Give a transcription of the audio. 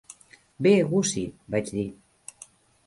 "Bé, Gussie", vaig dir.